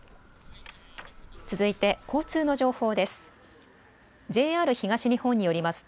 続いて交通の情報です。